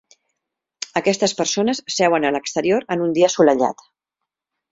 Aquestes persones seuen a l'exterior en un dia assolellat.